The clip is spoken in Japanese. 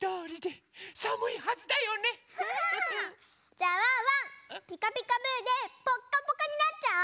じゃあワンワン「ピカピカブ！」でぽっかぽかになっちゃおう！